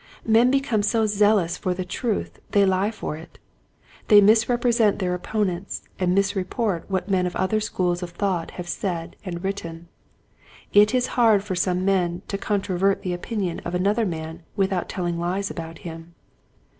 Men become so zealous for the truth they lie for it. They misrepresent their opponents, and mis report what men of other schools of thought have said and written. It is hard for some men to controvert the opinion of another man without telling lies about him.